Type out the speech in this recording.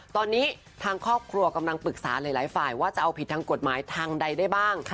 ตอนนี้ทางครอบครัวกำลังปรึกษาหลายฝ่ายว่าจะเอาผิดทางกฎหมายทางใดได้บ้าง